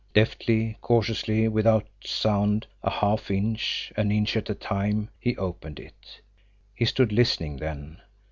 Deftly, cautiously without sound, a half inch, an inch at a time he opened it. He stood listening, then.